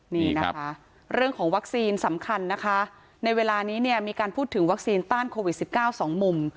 นี่นะคะเรื่องของวัคซีนสำคัญนะคะในเวลานี้เนี่ยมีการพูดถึงวัคซีนต้านโควิด๑๙สองมุม